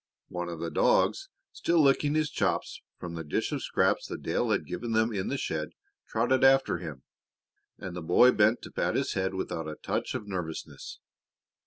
One of the dogs, still licking his chops from the dish of scraps that Dale had given them in the shed, trotted after him, and the boy bent to pat his head without a touch of nervousness.